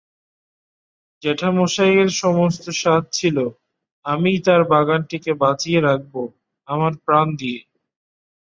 জেঠামশাইয়ের মস্ত সাধ ছিল আমিই তাঁর বাগানটিকে বাঁচিয়ে রাখব আমার প্রাণ দিয়ে।